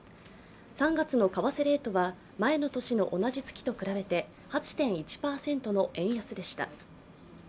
３月の為替レートは前の年の同じ月と比べて８．１％の円安でした。